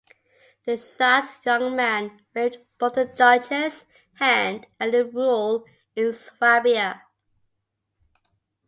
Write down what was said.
The shocked young man waived both the duchess' hand and the rule in Swabia.